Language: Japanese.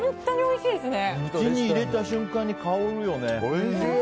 口に入れた瞬間に香るよね。